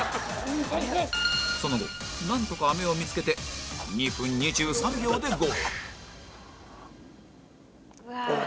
その後なんとかあめを見つけて２分２３秒でゴール